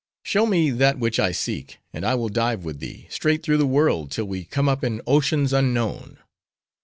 "Show me that which I seek, and I will dive with thee, straight through the world, till we come up in oceans unknown."